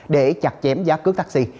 để chặt chém giá cước taxi